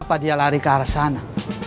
apa dia lari ke arah sana